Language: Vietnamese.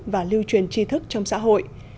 và lưu truyền chi thức trong xã hội